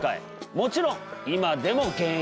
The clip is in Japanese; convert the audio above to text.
もちろん今でも現役。